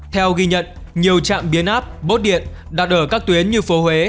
theo ghi nhận nhiều chạm biến áp bốt điện đặt ở các tuyến như phố huế